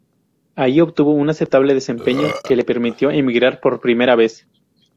Ahí tuvo un aceptable desempeño que le permitió emigrar por primera vez.